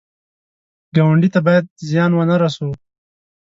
ګاونډي ته باید زیان ونه رسوو